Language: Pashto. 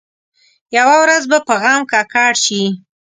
یوه ورځ به په غم ککړ شي.